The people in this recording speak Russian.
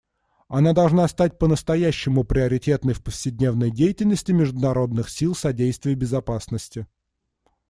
Она должна стать по-настоящему приоритетной в повседневной деятельности международных сил содействия безопасности.